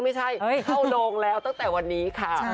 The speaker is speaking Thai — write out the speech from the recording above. ไม่ใช่เข้ารงผมตั้งแต่วันนี้